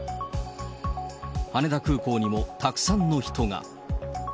羽田空港にもたくさんの人が。